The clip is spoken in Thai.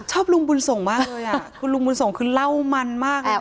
ชอบลุงบุญสงฆ์มากเลยอ่ะคุณลุงบุญส่งคือเล่ามันมากอ่ะ